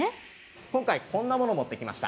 今回こんなもの持ってきました。